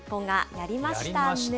やりましたね。